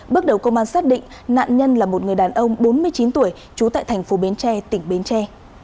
bước đầu công an xác định nạn nhân là một người đàn ông bốn mươi chín tuổi trú tại thành phố bến tre tỉnh bến tre